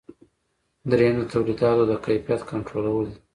دریم د تولیداتو د کیفیت کنټرولول دي.